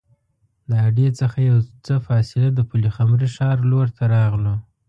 د اډې څخه یو څه فاصله د پلخمري ښار لور ته راغلو.